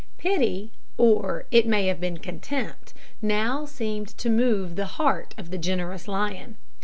Pity, or it may have been contempt, now seemed to move the heart of the generous lion.